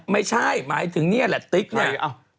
ไม่ใช่หมายถึงนี่แหละติ๊กเนี่ย